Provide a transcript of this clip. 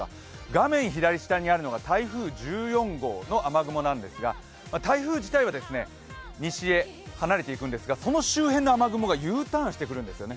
画面左下にあるのが台風１４号の雨雲なんですが台風自体は西へ離れていくんですがこの周辺の雨雲がＵターンしてくるんですね。